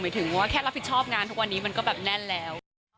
ถึงว่าแค่รับผิดชอบงานทุกวันนี้มันก็แบบแน่นแล้ว